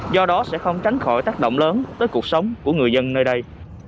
do đó sẽ không tránh khỏi tác động lớn tới cuộc sống của người dân nơi đây